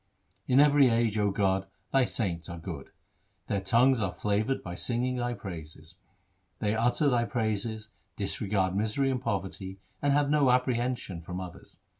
In every age, O God, Thy saints are good. Their tongues are flavoured by singing Thy praises. They utter Thy praises, disregard misery and poverty, and have no apprehension from others.